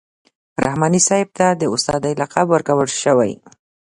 رحماني صاحب ته د استادۍ لقب ورکول شوی.